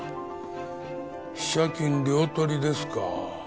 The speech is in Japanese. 飛車金両取りですか。